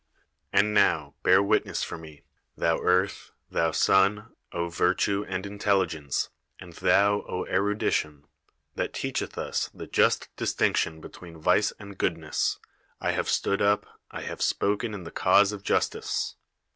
And now bear witness for me, thou earth, thou THE WORLD'S FAMOUS ORATIONS sun, virtue, and intelligence, and thou, erudition, that teacheth us the just distinction between vice and goodness, I have stood up, I have spoken in the cause of justice.